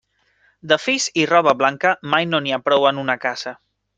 De fills i roba blanca, mai no n'hi ha prou en una casa.